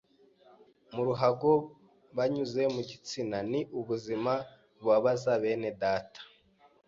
mu ruhago banyuze mu gitsina, ni ubuzima bubabaza bene data